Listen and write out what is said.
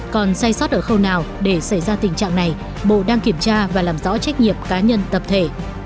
còn say sót ở khâu nào để xảy ra tình trạng này bộ đang kiểm tra và làm rõ trách nhiệm cá nhân tập thể